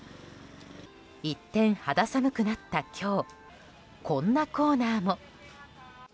一転、肌寒くなった今日こんなコーナーも。